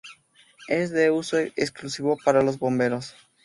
Es de uso exclusivo para los bomberos.